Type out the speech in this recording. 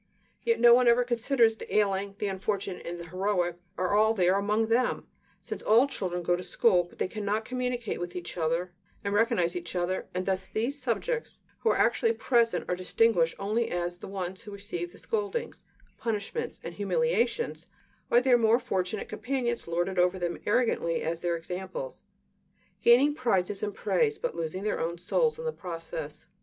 Yet no one ever considers that the ailing, the unfortunate, and the heroic are all there among them, since all children go to school; but they cannot communicate with each other and recognize each other; and thus these subjects who are actually present are distinguished only as the ones who receive all the scoldings, punishments, and humiliations while their more fortunate companions lord it over them arrogantly as their examples, gaining prizes and praise, but losing their own souls in the process.